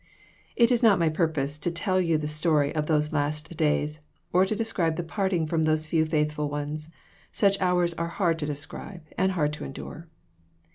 It is not my purpose to tell you the story of those last days, or to describe the parting from those few faithful ones. Such hours are hard to describe, and hard to endure.